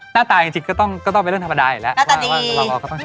หน้าตาจริงก็ต้องเป็นเรื่องธรรมดาอยู่แล้ว